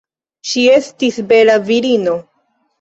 Ŝi estis bela virino.